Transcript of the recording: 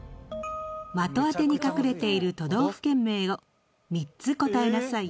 的当てに隠れている都道府県名を３つ答えなさい。